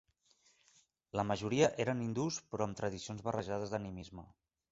La majoria eren hindús però amb tradicions barrejades d'animisme.